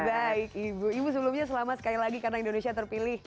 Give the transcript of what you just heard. baik ibu ibu sebelumnya selamat sekali lagi karena indonesia terpilih